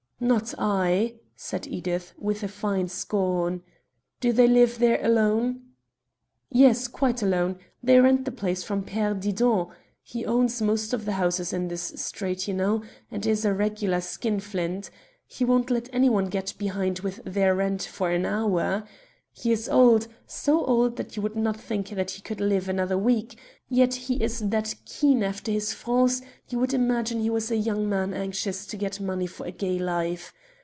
"Not I," said Edith, with a fine scorn. "Do they live there alone?" "Yes, quite alone. They rent the place from Père Didon. He owns most of the houses in this street, you know, and is a regular skinflint. He won't let any one get behind with their rent for an hour. He is old, so old that you would not think that he could live another week, yet he is that keen after his francs you would imagine he was a young man anxious to get money for a gay life.